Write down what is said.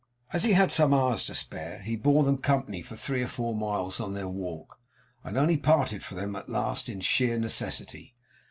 As he had some hours to spare, he bore them company for three or four miles on their walk, and only parted from them at last in sheer necessity.